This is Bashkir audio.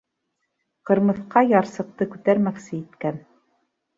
Ҡырмыҫҡа ярсыҡты күтәрмәксе иткән.